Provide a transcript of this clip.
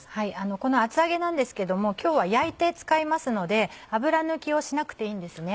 この厚揚げなんですけども今日は焼いて使いますので油抜きをしなくていいんですね。